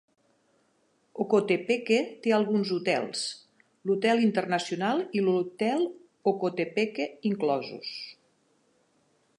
Ocotepeque té alguns hotels, l'hotel Internacional i l'hotel Ocotepeque inclosos.